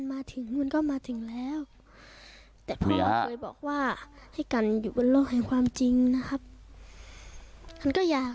หมาถึงก็มาถึงแล้วผมจะบอกว่าก็อยู่วันโลกแผ่งความจริงนะครับก็อยาก